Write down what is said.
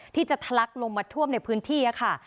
ทะลักลงมาท่วมในพื้นที่ค่ะ